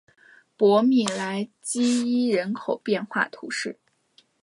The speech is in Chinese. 博米莱基伊人口变化图示